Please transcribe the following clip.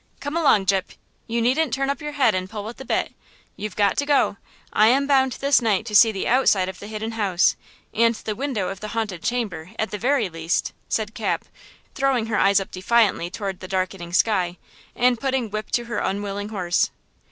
Come along, Gyp! You needn't turn up your head and pull at the bit! You've got to go! I am bound this night to see the outside of the Hidden House, and the window of the haunted chamber at the very least!" said Cap, throwing her eyes up defiantly toward the darkening sky, and putting whip to her unwilling horse.